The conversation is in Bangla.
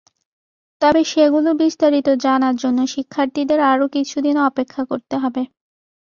তবে সেগুলো বিস্তারিত জানার জন্য শিক্ষার্থীদের আরও কিছুদিন অপেক্ষা করতে হবে।